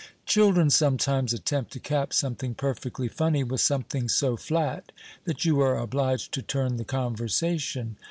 Children sometimes attempt to cap something perfectly funny with something so flat that you are obliged to turn the conversation.